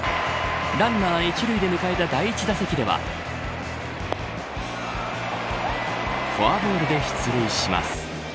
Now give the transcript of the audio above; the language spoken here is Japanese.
ランナー１塁で迎えた第１打席ではフォアボールで出塁します。